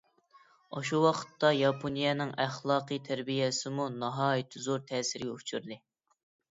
ئاشۇ ۋاقىتتا ياپونىيەنىڭ ئەخلاقىي تەربىيەسىمۇ ناھايىتى زور تەسىرگە ئۇچرىدى.